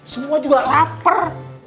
semua juga lapar